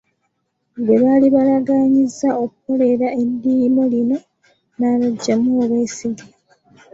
Gwe baali balaganyizza okukolera eddimo lino n'abaggyamu obw’esige.